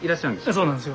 そうなんですよ。